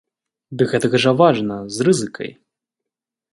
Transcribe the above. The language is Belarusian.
Ды гэтак жа важна, з рызыкай.